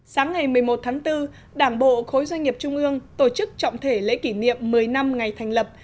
sáng ngày một mươi một tháng bốn đảng bộ khối doanh nghiệp trung ương tổ chức trọng thể lễ kỷ niệm một mươi năm ngày thành lập